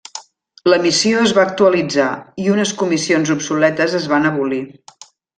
La missió es va actualitzar i unes comissions obsoletes es van abolir.